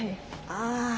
ああ。